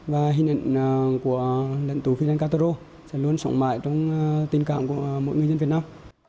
và hình ảnh của lãnh tù fidel castro sẽ luôn sống mãi trong tình cảm của mỗi người dân việt nam